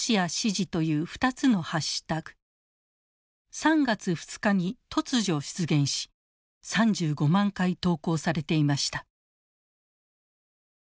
３月２日に突如出現し３５万回投稿されていました。